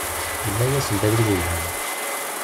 Yemla-asen-d abrid yelhan.